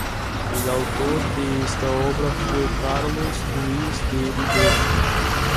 El autor de esta obra fue Carlos Luis de Ribera.